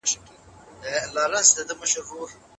پلان جوړول نیمه بریا ده.